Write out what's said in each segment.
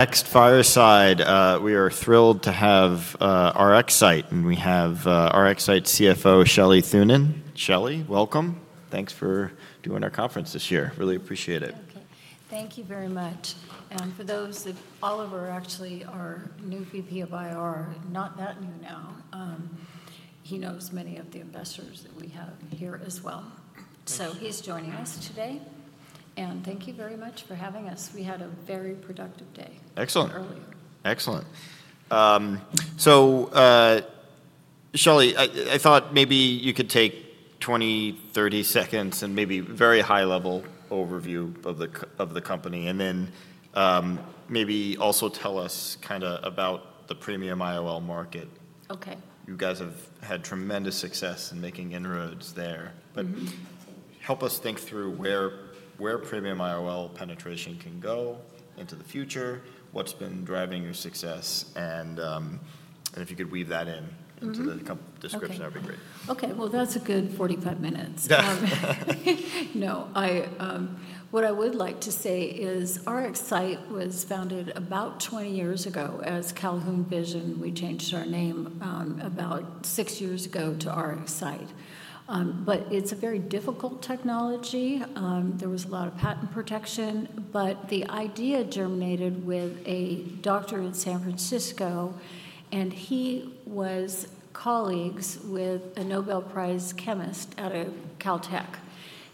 Next, Fireside. We are thrilled to have RxSight, and we have RxSight CFO, Shelley Thunen. Shelley, welcome. Thanks for doing our conference this year. Really appreciate it. Thank you very much. And for those that, Oliver actually is our new VP of IR, not that new now. He knows many of the investors that we have here as well. So he's joining us today. And thank you very much for having us. We had a very productive day. Excellent. Earlier. Excellent. So, Shelley, I thought maybe you could take 20, 30 seconds and maybe a very high-level overview of the company, and then maybe also tell us kind of about the premium IOL market. Okay. You guys have had tremendous success in making inroads there. But help us think through where premium IOL penetration can go into the future, what's been driving your success, and if you could weave that into the description, that would be great. Okay. Well, that's a good 45 minutes. Yes. No, what I would like to say is RxSight was founded about 20 years ago as Calhoun Vision. We changed our name about 6 years ago to RxSight. But it's a very difficult technology. There was a lot of patent protection. But the idea germinated with a doctor in San Francisco, and he was colleagues with a Nobel Prize chemist out of Caltech.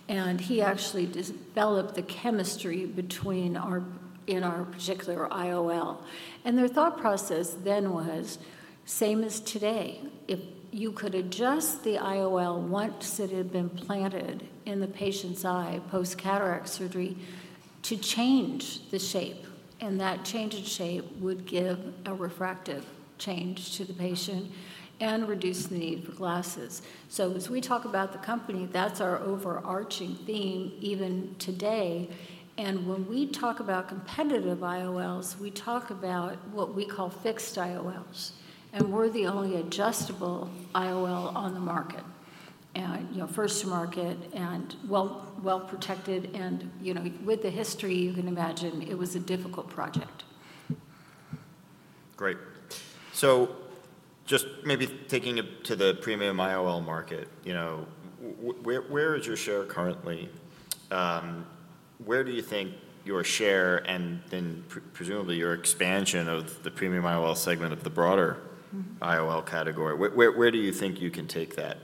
And he actually developed the chemistry in our particular IOL. And their thought process then was the same as today. If you could adjust the IOL once it had been planted in the patient's eye post-cataract surgery to change the shape, and that change in shape would give a refractive change to the patient and reduce the need for glasses. So as we talk about the company, that's our overarching theme even today. When we talk about competitive IOLs, we talk about what we call fixed IOLs. We're the only adjustable IOL on the market, first to market and well protected. With the history, you can imagine it was a difficult project. Great. So just maybe taking it to the premium IOL market, where is your share currently? Where do you think your share and then presumably your expansion of the premium IOL segment of the broader IOL category? Where do you think you can take that?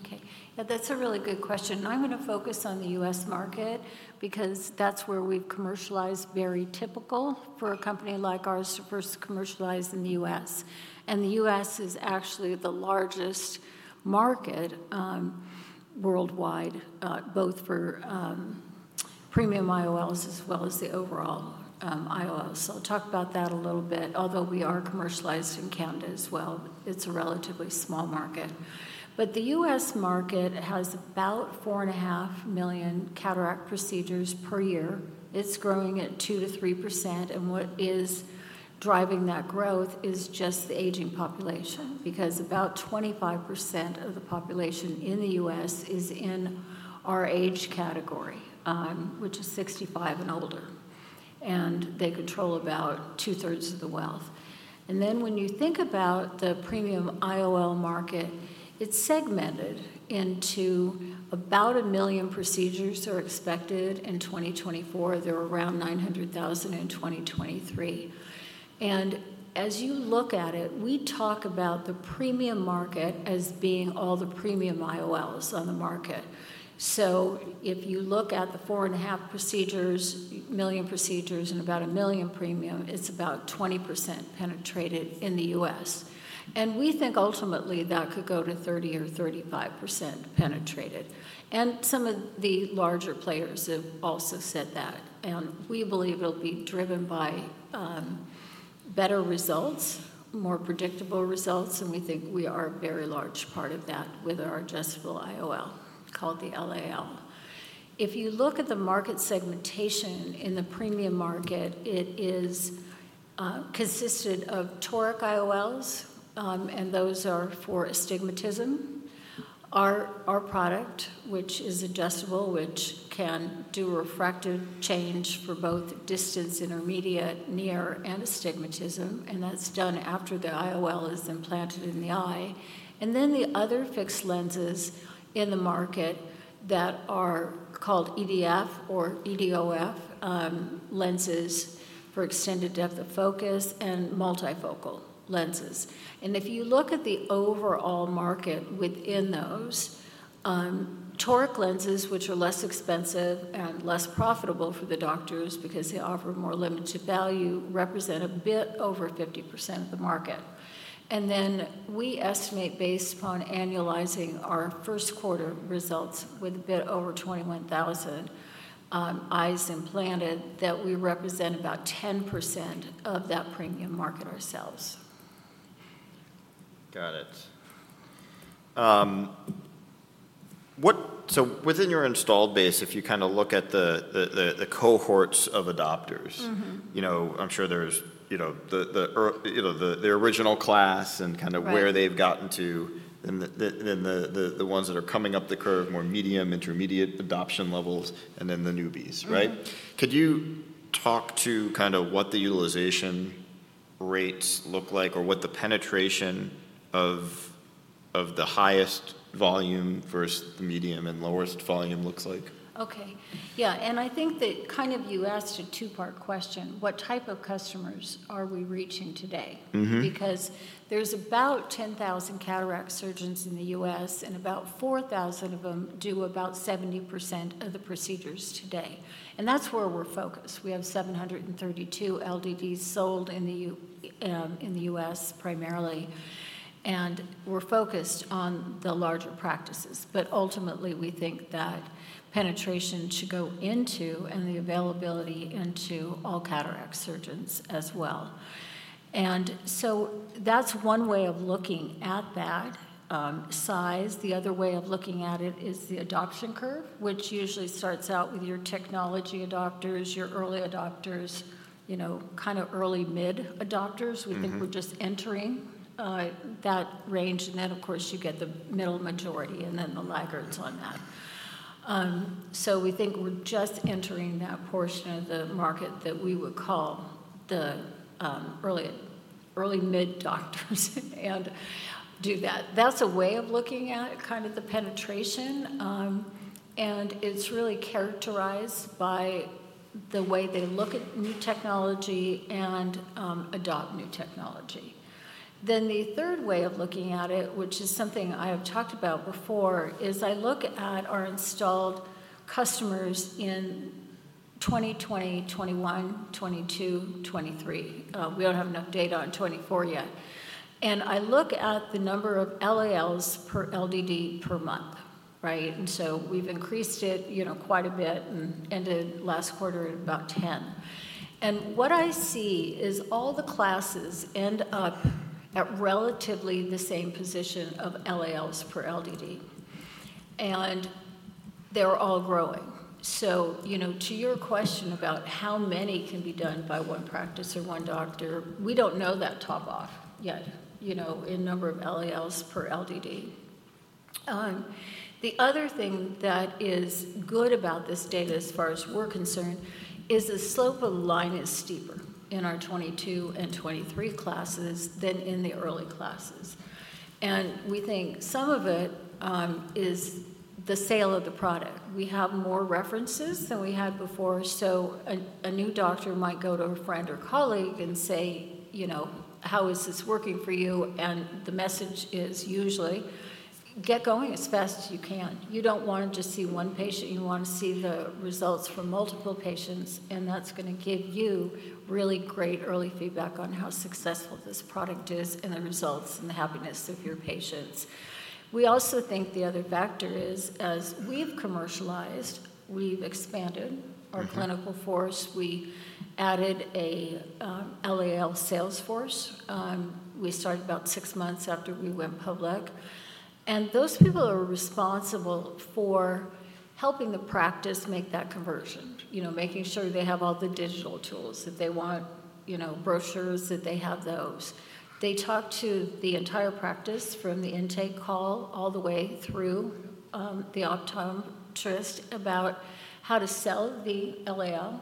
Okay. That's a really good question. I'm going to focus on the U.S. market because that's where we've commercialized. Very typical for a company like ours to first commercialize in the U.S. The U.S. is actually the largest market worldwide, both for premium IOLs as well as the overall IOLs. So I'll talk about that a little bit. Although we are commercialized in Canada as well, it's a relatively small market. But the U.S. market has about 4.5 million cataract procedures per year. It's growing at 2%-3%. What is driving that growth is just the aging population because about 25% of the population in the U.S. is in our age category, which is 65 and older. They control about two-thirds of the wealth. Then when you think about the premium IOL market, it's segmented into about 1 million procedures that are expected in 2024. There are around 900,000 in 2023. As you look at it, we talk about the premium market as being all the premium IOLs on the market. So if you look at the 4.5 million procedures and about 1 million premium, it's about 20% penetrated in the U.S. We think ultimately that could go to 30% or 35% penetrated. Some of the larger players have also said that. We believe it'll be driven by better results, more predictable results. We think we are a very large part of that with our adjustable IOL called the LAL. If you look at the market segmentation in the premium market, it is consisted of toric IOLs, and those are for astigmatism. Our product, which is adjustable, can do refractive change for both distance, intermediate, near, and astigmatism. That's done after the IOL is implanted in the eye. And then the other fixed lenses in the market that are called EDOF lenses for extended depth of focus and multifocal lenses. If you look at the overall market within those, toric lenses, which are less expensive and less profitable for the doctors because they offer more limited value, represent a bit over 50% of the market. Then we estimate based upon annualizing our Q1 results with a bit over 21,000 eyes implanted that we represent about 10% of that premium market ourselves. Got it. So within your installed base, if you kind of look at the cohorts of adopters, I'm sure there's the original class and kind of where they've gotten to, then the ones that are coming up the curve, more medium, intermediate adoption levels, and then the newbies, right? Could you talk to kind of what the utilization rates look like or what the penetration of the highest volume versus the medium and lowest volume looks like? Okay. Yeah. And I think that kind of you asked a two-part question. What type of customers are we reaching today? Because there's about 10,000 cataract surgeons in the U.S., and about 4,000 of them do about 70% of the procedures today. And that's where we're focused. We have 732 LDDs sold in the U.S. primarily. And we're focused on the larger practices. But ultimately, we think that penetration should go into and the availability into all cataract surgeons as well. And so that's one way of looking at that size. The other way of looking at it is the adoption curve, which usually starts out with your technology adopters, your early adopters, kind of early mid adopters. We think we're just entering that range. And then, of course, you get the middle majority and then the laggards on that. So we think we're just entering that portion of the market that we would call the early mid doctors and do that. That's a way of looking at kind of the penetration. It's really characterized by the way they look at new technology and adopt new technology. Then the third way of looking at it, which is something I have talked about before, is I look at our installed customers in 2020, 2021, 2022, 2023. We don't have enough data on 2024 yet. I look at the number of LALs per LDD per month, right? So we've increased it quite a bit and ended last quarter at about 10. What I see is all the classes end up at relatively the same position of LALs per LDD. They're all growing. So to your question about how many can be done by one practice or one doctor, we don't know that top off yet in number of LALs per LDD. The other thing that is good about this data as far as we're concerned is the slope of the line is steeper in our 2022 and 2023 classes than in the early classes. And we think some of it is the sale of the product. We have more references than we had before. So a new doctor might go to a friend or colleague and say, "How is this working for you?" And the message is usually, "Get going as fast as you can." You don't want to just see one patient. You want to see the results for multiple patients. That's going to give you really great early feedback on how successful this product is and the results and the happiness of your patients. We also think the other factor is, as we've commercialized, we've expanded our clinical force. We added an LAL sales force. We started about six months after we went public. And those people are responsible for helping the practice make that conversion, making sure they have all the digital tools that they want, brochures that they have those. They talk to the entire practice from the intake call all the way through the optometrist about how to sell the LAL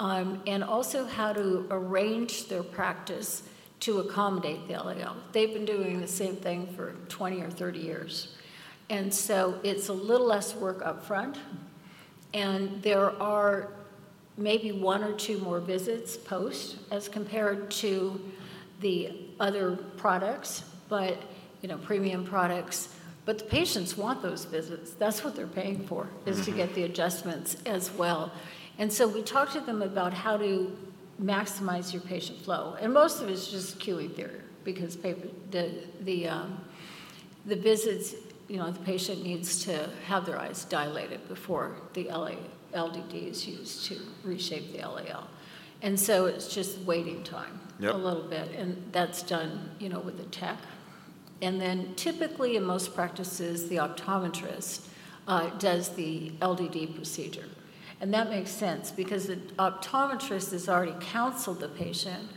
and also how to arrange their practice to accommodate the LAL. They've been doing the same thing for 20 or 30 years. And so it's a little less work upfront. There are maybe one or two more visits post-op as compared to the other products, but premium products. But the patients want those visits. That's what they're paying for is to get the adjustments as well. And so we talk to them about how to maximize your patient flow. And most of it's just queuing theory because the visits, the patient needs to have their eyes dilated before the LDD is used to reshape the LAL. And so it's just waiting time a little bit. And that's done with the tech. And then typically in most practices, the optometrist does the LDD procedure. And that makes sense because the optometrist has already counseled the patient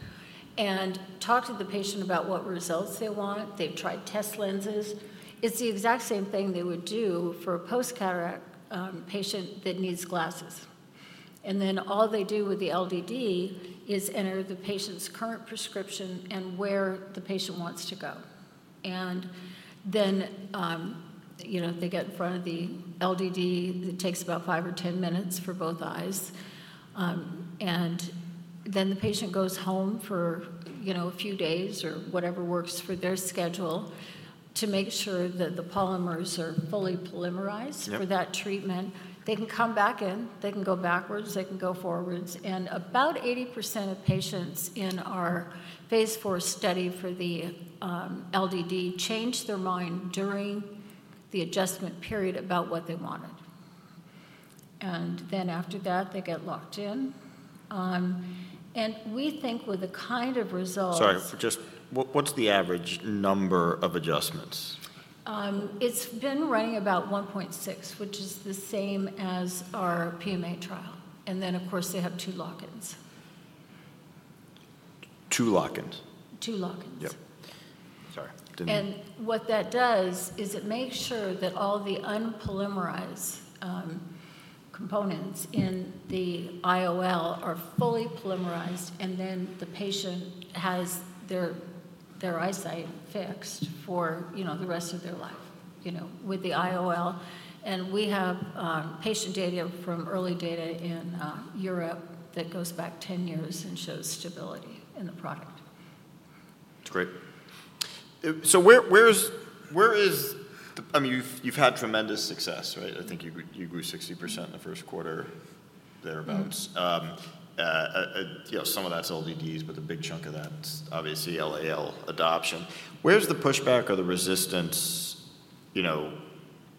and talked to the patient about what results they want. They've tried test lenses. It's the exact same thing they would do for a post-cataract patient that needs glasses. Then all they do with the LDD is enter the patient's current prescription and where the patient wants to go. Then they get in front of the LDD. It takes about five or 10 minutes for both eyes. Then the patient goes home for a few days or whatever works for their schedule to make sure that the polymers are fully polymerized for that treatment. They can come back in. They can go backwards. They can go forwards. And about 80% of patients in our Phase 4 study for the LDD changed their mind during the adjustment period about what they wanted. Then after that, they get locked in. And we think with the kind of results. Sorry, just what's the average number of adjustments? It's been running about 1.6, which is the same as our PMA trial. Then, of course, they have two lock-ins. Two lock-ins. Two lock-ins. Yep. Sorry. What that does is it makes sure that all the unpolymerized components in the IOL are fully polymerized, and then the patient has their eyesight fixed for the rest of their life with the IOL. We have patient data from early data in Europe that goes back 10 years and shows stability in the product. That's great. So where is the, I mean, you've had tremendous success, right? I think you grew 60% in the Q1, thereabouts. Some of that's LDDs, but the big chunk of that's obviously LAL adoption. Where's the pushback or the resistance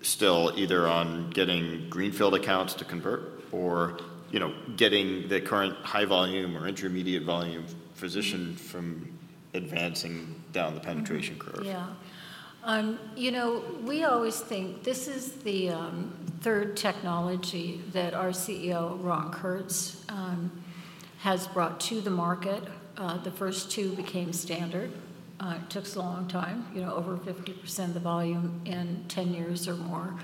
still either on getting greenfield accounts to convert or getting the current high volume or intermediate volume physician from advancing down the penetration curve? Yeah. We always think this is the third technology that our CEO, Ron Kurtz, has brought to the market. The first two became standard. It took us a long time, over 50% of the volume in 10 years or more.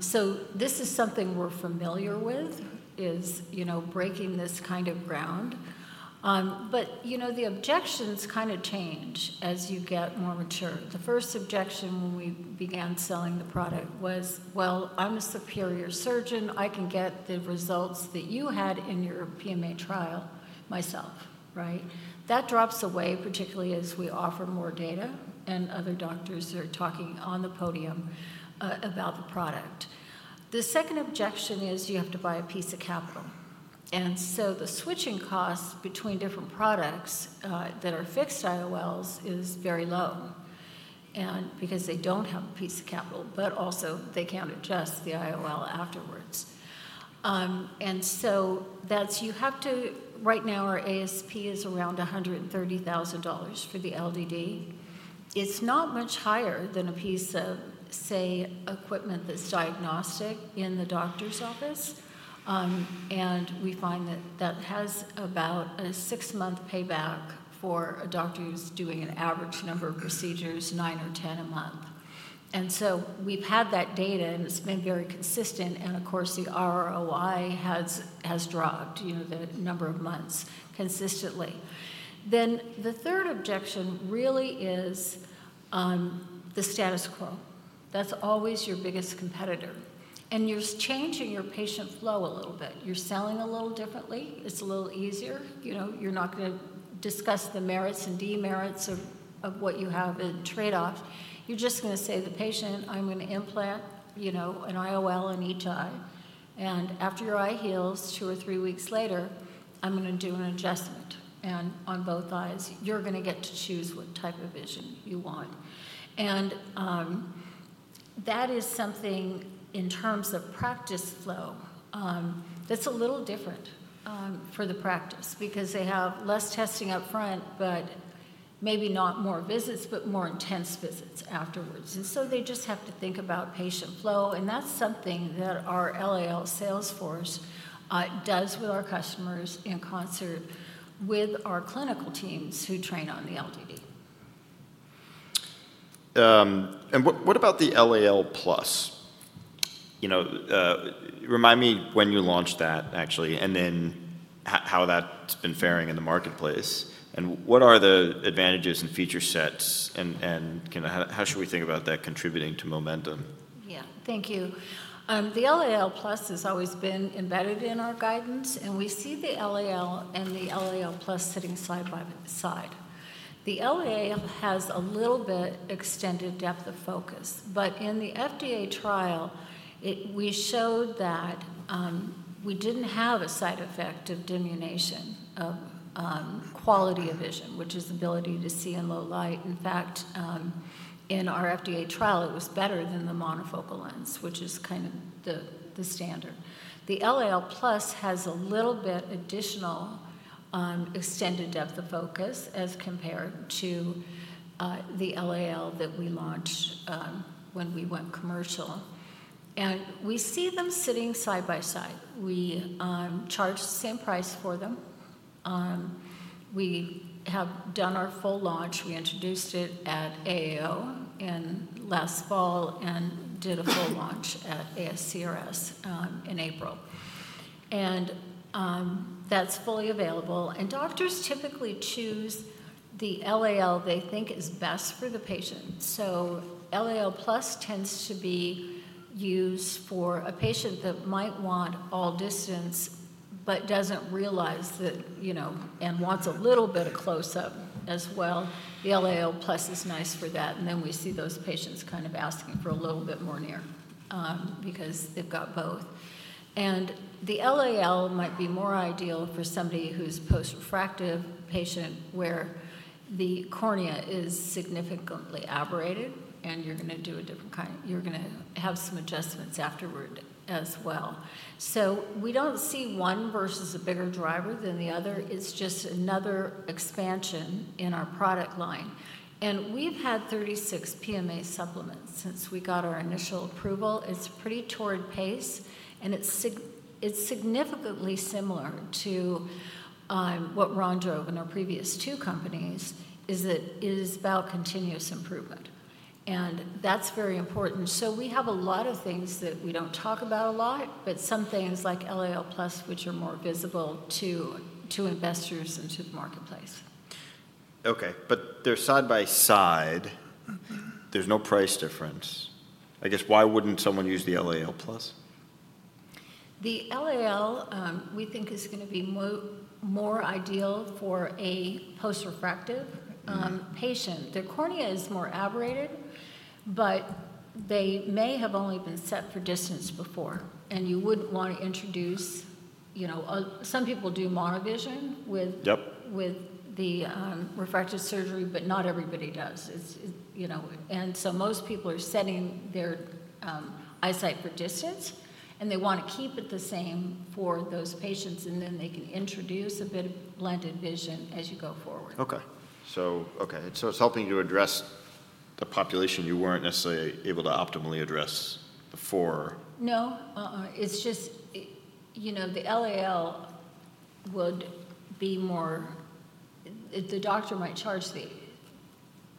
So this is something we're familiar with, is breaking this kind of ground. But the objections kind of change as you get more mature. The first objection when we began selling the product was, "Well, I'm a superior surgeon. I can get the results that you had in your PMA trial myself," right? That drops away, particularly as we offer more data and other doctors are talking on the podium about the product. The second objection is you have to buy a piece of capital. The switching costs between different products that are fixed IOLs is very low because they don't have a piece of capital, but also they can't adjust the IOL afterwards. So that's you have to right now, our ASP is around $130,000 for the LDD. It's not much higher than a piece of, say, equipment that's diagnostic in the doctor's office. We find that that has about a six-month payback for a doctor who's doing an average number of procedures, nine or 10 a month. So we've had that data, and it's been very consistent. Of course, the ROI has dropped, the number of months consistently. The third objection really is the status quo. That's always your biggest competitor. You're changing your patient flow a little bit. You're selling a little differently. It's a little easier. You're not going to discuss the merits and demerits of what you have in trade-off. You're just going to say to the patient, "I'm going to implant an IOL in each eye. And after your eye heals two or three weeks later, I'm going to do an adjustment. And on both eyes, you're going to get to choose what type of vision you want." And that is something in terms of practice flow that's a little different for the practice because they have less testing upfront, but maybe not more visits, but more intense visits afterwards. And so they just have to think about patient flow. And that's something that our LAL sales force does with our customers in concert with our clinical teams who train on the LDD. What about the LAL+? Remind me when you launched that, actually, and then how that's been faring in the marketplace. What are the advantages and feature sets? How should we think about that contributing to momentum? Yeah. Thank you. The LAL+ has always been embedded in our guidance. And we see the LAL and the LAL+ sitting side by side. The LAL has a little bit extended depth of focus. But in the FDA trial, we showed that we didn't have a side effect of diminution of quality of vision, which is ability to see in low light. In fact, in our FDA trial, it was better than the monofocal lens, which is kind of the standard. The LAL+ has a little bit additional extended depth of focus as compared to the LAL that we launched when we went commercial. And we see them sitting side by side. We charge the same price for them. We have done our full launch. We introduced it at AAO last fall and did a full launch at ASCRS in April. And that's fully available. Doctors typically choose the LAL they think is best for the patient. So LAL+ tends to be used for a patient that might want all distance but doesn't realize that and wants a little bit of close-up as well. The LAL+ is nice for that. And then we see those patients kind of asking for a little bit more near because they've got both. And the LAL might be more ideal for somebody who's post-refractive patient where the cornea is significantly aberrated. And you're going to have some adjustments afterward as well. So we don't see one versus a bigger driver than the other. It's just another expansion in our product line. And we've had 36 PMA supplements since we got our initial approval. It's a pretty torrid pace. It's significantly similar to what Ron drove in our previous two companies, is about continuous improvement. That's very important. We have a lot of things that we don't talk about a lot, but some things like LAL+, which are more visible to investors and to the marketplace. Okay. But they're side by side. There's no price difference. I guess why wouldn't someone use the LAL+? The LAL, we think, is going to be more ideal for a post-refractive patient. Their cornea is more aberrated, but they may have only been set for distance before. You wouldn't want to introduce, some people do monovision with the refractive surgery, but not everybody does. So most people are setting their eyesight for distance, and they want to keep it the same for those patients. Then they can introduce a bit of blended vision as you go forward. Okay. So it's helping you address the population you weren't necessarily able to optimally address before. No. It's just the LAL would be more the doctor might charge the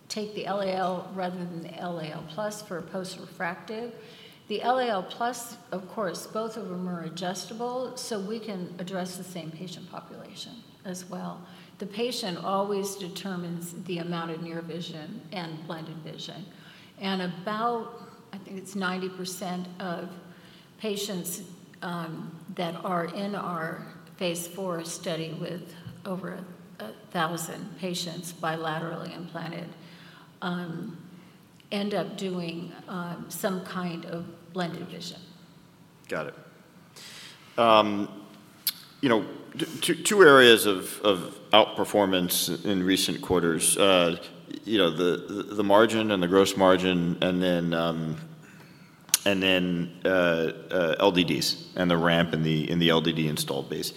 take the LAL rather than the LAL+ for post-refractive. The LAL+, of course, both of them are adjustable, so we can address the same patient population as well. The patient always determines the amount of near vision and blended vision. And about, I think it's 90% of patients that are in our Phase 4 study with over 1,000 patients bilaterally implanted end up doing some kind of blended vision. Got it. Two areas of outperformance in recent quarters, the margin and the gross margin, and then LDDs and the ramp in the LDD installed base.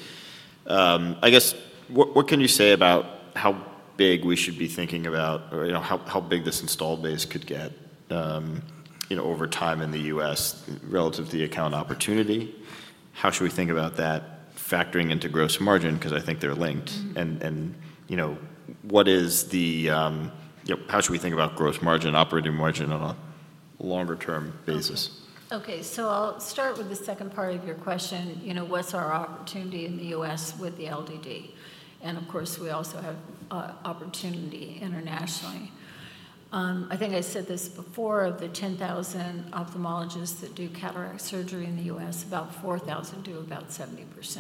I guess what can you say about how big we should be thinking about or how big this installed base could get over time in the US relative to the account opportunity? How should we think about that factoring into gross margin because I think they're linked? And how should we think about gross margin, operating margin on a longer-term basis? Okay. So I'll start with the second part of your question. What's our opportunity in the U.S. with the LDD? And of course, we also have opportunity internationally. I think I said this before, of the 10,000 ophthalmologists that do cataract surgery in the U.S., about 4,000 do about 70%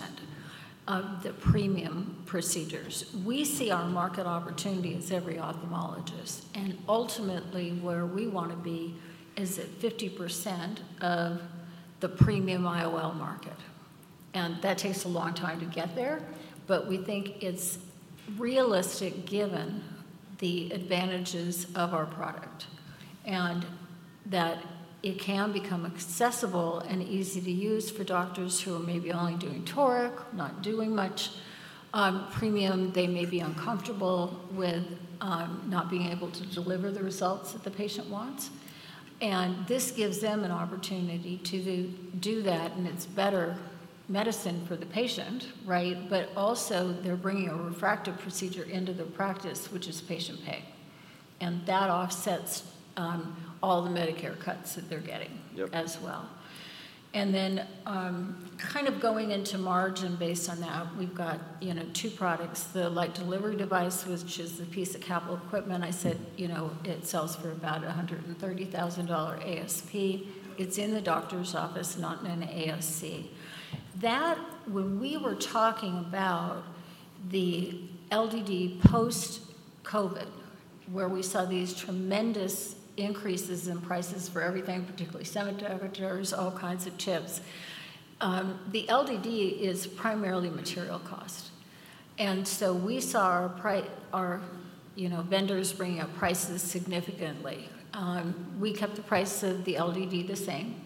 of the premium procedures. We see our market opportunity as every ophthalmologist. And ultimately, where we want to be is at 50% of the premium IOL market. And that takes a long time to get there, but we think it's realistic given the advantages of our product and that it can become accessible and easy to use for doctors who are maybe only doing toric, not doing much premium. They may be uncomfortable with not being able to deliver the results that the patient wants. And this gives them an opportunity to do that. It's better medicine for the patient, right? But also, they're bringing a refractive procedure into their practice, which is patient-pay. That offsets all the Medicare cuts that they're getting as well. Then, kind of going into margin based on that, we've got two products. The Light Delivery Device, which is the piece of capital equipment. I said it sells for about $130,000 ASP. It's in the doctor's office, not in an ASC. That, when we were talking about the LDD post-COVID, where we saw these tremendous increases in prices for everything, particularly semiconductors, all kinds of chips. The LDD is primarily material cost. So we saw our vendors bringing up prices significantly. We kept the price of the LDD the same.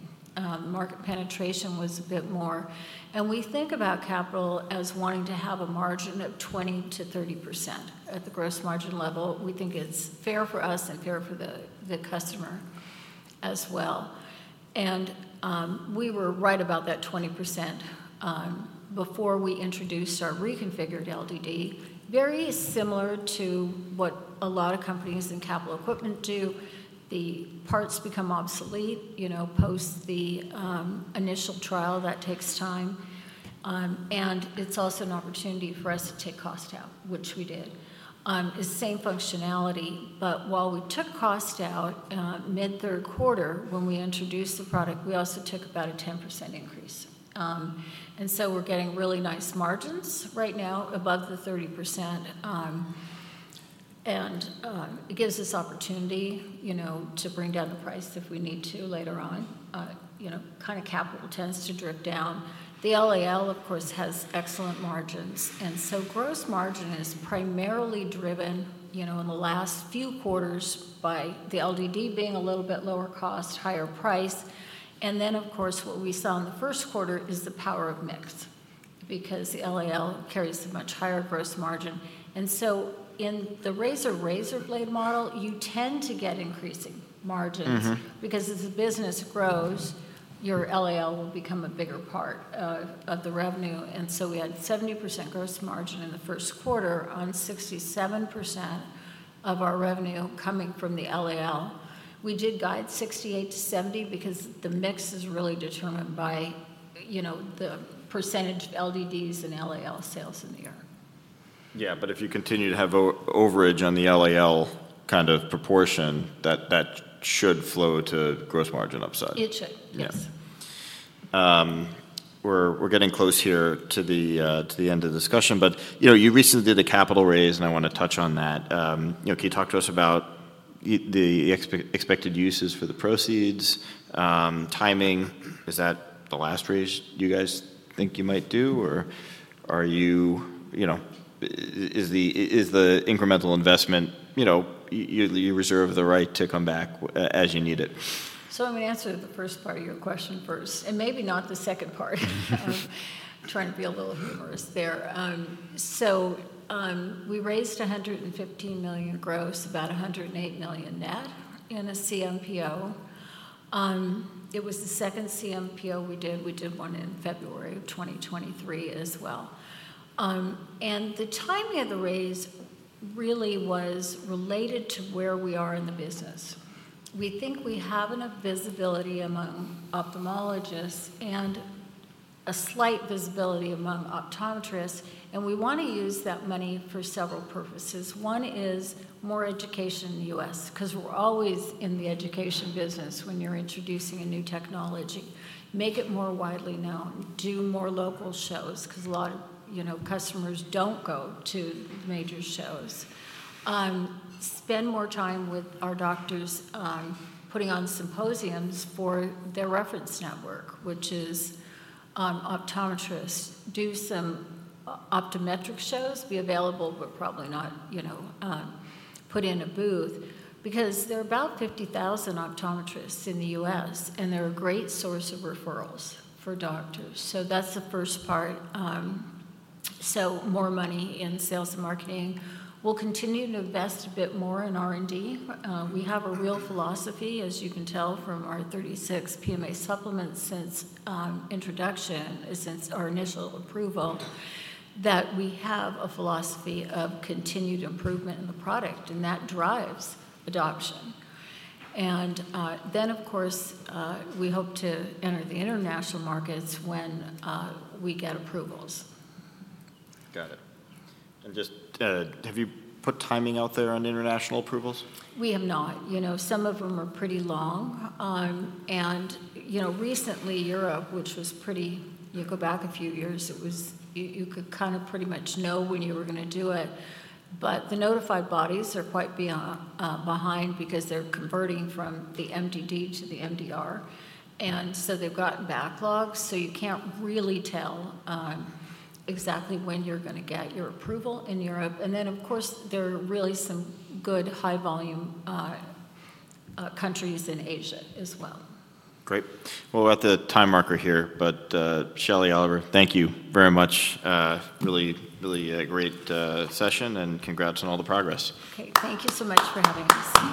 Market penetration was a bit more. We think about capital as wanting to have a margin of 20%-30% at the gross margin level. We think it's fair for us and fair for the customer as well. We were right about that 20% before we introduced our reconfigured LDD, very similar to what a lot of companies in capital equipment do. The parts become obsolete post the initial trial. That takes time. It's also an opportunity for us to take cost out, which we did. It's the same functionality, but while we took cost out mid-third quarter when we introduced the product, we also took about a 10% increase. So we're getting really nice margins right now above the 30%. It gives us opportunity to bring down the price if we need to later on. Kind of, capital tends to drip down. The LAL, of course, has excellent margins. Gross margin is primarily driven in the last few quarters by the LDD being a little bit lower cost, higher price. Of course, what we saw in the Q1 is the power of mix because the LAL carries a much higher gross margin. In the razor razor blade model, you tend to get increasing margins because as the business grows, your LAL will become a bigger part of the revenue. We had 70% gross margin in the Q1 on 67% of our revenue coming from the LAL. We did guide 68%-70% because the mix is really determined by the percentage of LDDs and LAL sales in the year. Yeah. But if you continue to have overage on the LAL kind of proportion, that should flow to gross margin upside. It should. Yes. We're getting close here to the end of the discussion, but you recently did a capital raise, and I want to touch on that. Can you talk to us about the expected uses for the proceeds, timing? Is that the last raise you guys think you might do, or is the incremental investment you reserve the right to come back as you need it? So I'm going to answer the first part of your question first, and maybe not the second part. I'm trying to be a little humorous there. So we raised $115 million gross, about $108 million net in a CMPO. It was the second CMPO we did. We did one in February of 2023 as well. And the timing of the raise really was related to where we are in the business. We think we have enough visibility among ophthalmologists and a slight visibility among optometrists. And we want to use that money for several purposes. One is more education in the U.S. because we're always in the education business when you're introducing a new technology. Make it more widely known. Do more local shows because a lot of customers don't go to major shows. Spend more time with our doctors putting on symposiums for their reference network, which is optometrists. Do some optometric shows. Be available, but probably not put in a booth because there are about 50,000 optometrists in the U.S., and they're a great source of referrals for doctors. So that's the first part. So more money in sales and marketing. We'll continue to invest a bit more in R&D. We have a real philosophy, as you can tell from our 36 PMA supplements since introduction, since our initial approval, that we have a philosophy of continued improvement in the product, and that drives adoption. And then, of course, we hope to enter the international markets when we get approvals. Got it. And just have you put timing out there on international approvals? We have not. Some of them are pretty long. Recently, Europe, which was pretty you go back a few years, you could kind of pretty much know when you were going to do it. But the notified bodies are quite behind because they're converting from the MDD to the MDR. So they've gotten backlogs. You can't really tell exactly when you're going to get your approval in Europe. Then, of course, there are really some good high-volume countries in Asia as well. Great. Well, we're at the time marker here, but Shelley, Oliver, thank you very much. Really, really great session, and congrats on all the progress. Okay. Thank you so much for having us.